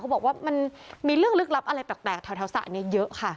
บอกว่ามันมีเรื่องลึกลับอะไรแปลกแถวสระนี้เยอะค่ะ